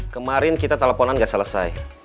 kemarin kita teleponan gak selesai